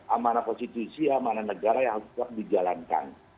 amanah konstitusi amanah negara yang harus tetap dijalankan